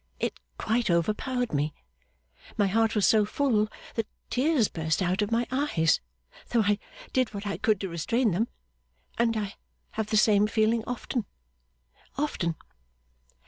It quite overpowered me. My heart was so full that tears burst out of my eyes, though I did what I could to restrain them. And I have the same feeling often often.